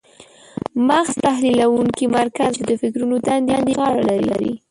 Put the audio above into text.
مغز تحلیلونکی مرکز دی چې د فکرونو دندې په غاړه لري.